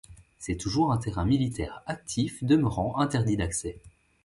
C'est toujours un terrain militaire actif demeurant interdit d'accès.